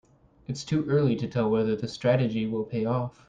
It's too early to tell whether the strategy will pay off.